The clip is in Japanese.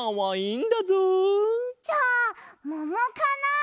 じゃあももかな？